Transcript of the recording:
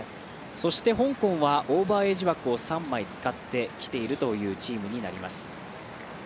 そして香港はオーバーエージ枠を３人使ってきているというチームになります。